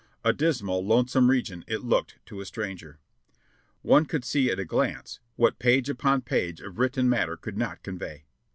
A dismal, lonesome region it looked to a stranger. One could see at a glance what page upon page of written matter could not convey.